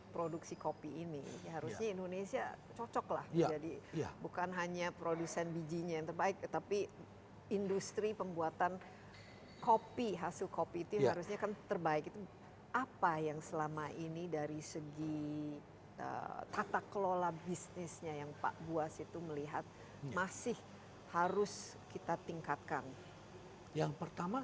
paketnya packagingnya penyimpanannya